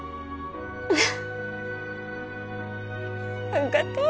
あっがとう。